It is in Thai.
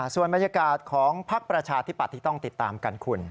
ส่วนบรรยากาศของพักประชาธิปัตย์ที่ต้องติดตามกันคุณ